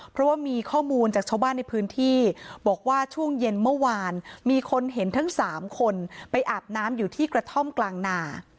เพราะว่ามีข้อมูลจากชาวบ้านในพื้นที่บอกว่าช่วงเย็นเมื่อวานมีคนเห็นทั้ง๓คนไปอาบน้ำอยู่ที่กระท่อมกลางนา